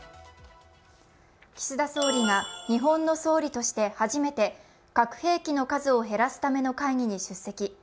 岸田総理が日本の総理として初めて核兵器の数を減らすための会議に出席。